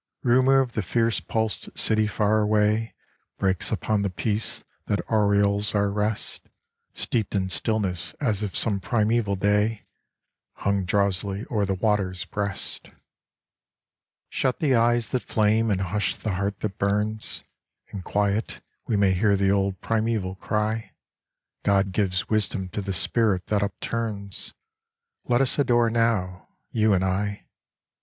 Rumour of the fierce pulsed city far away Breaks upon the peace that aureoles our rest, Steeped in stillness as if some primeval day Hung drowsily o'er the water's breast. Shut the eyes that flame and hush the heart that burns In quiet we may hear the old primeval cry : God gives wisdom to the spirit that upturns : Let us adore now, you and I.